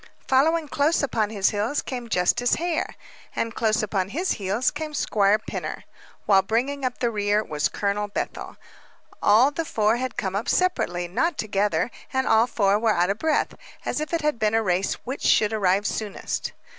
Following close upon his heels came Justice Hare; and close upon his heels came Squire Pinner; while bringing up the rear was Colonel Bethel. All the four had come up separately, not together, and all four were out of breath, as if it had been a race which should arrive soonest.